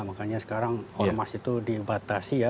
makanya sekarang ormas itu dibatasi ya